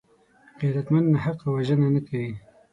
غیرتمند ناحقه وژنه نه کوي